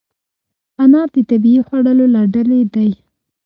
انار د طبیعي خوړو له ډلې دی.